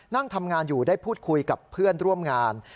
นั่งทำงานอยู่ได้พูดคุยกับเพื่อนร่วมงาน